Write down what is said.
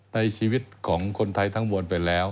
ในชีวิตของคนไทยทั้งมวลไปแล้ว